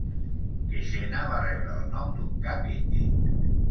Keshena va rebre el nom d'un cap indi.